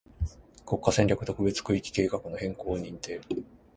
国家戦略特別区域計画の変更を認定